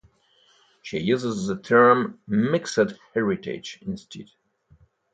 She uses the term 'mixed heritage' instead.